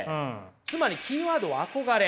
つまりキーワードは「憧れ」。